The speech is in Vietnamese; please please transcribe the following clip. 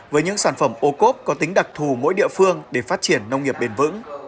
với những sản phẩm ô cốp có tính đặc thù mỗi địa phương để phát triển nông nghiệp bền vững